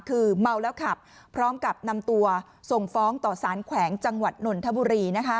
คือเมาแล้วขับพร้อมกับนำตัวส่งฟ้องต่อสารแขวงจังหวัดนนทบุรี